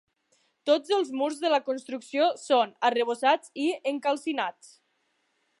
Tots els murs de la construcció són arrebossats i encalcinats.